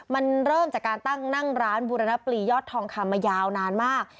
มันเริ่มจากการตั้งนั่งร้านบุรณปลียอดทองคำมายาวนานมาก